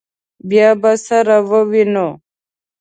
بیا به سره ووینو.